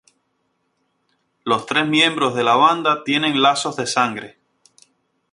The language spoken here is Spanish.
Los tres miembros de la banda tienen lazos de sangre.